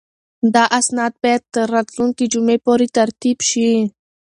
دا اسناد باید تر راتلونکې جمعې پورې ترتیب شي.